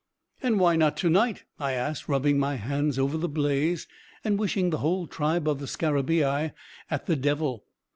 "And why not to night?" I asked, rubbing my hands over the blaze, and wishing the whole tribe of scarabaei at the devil.